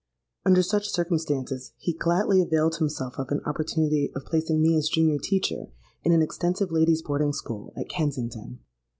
Under such circumstances he gladly availed himself of an opportunity of placing me as junior teacher in an extensive ladies' boarding school at Kensington.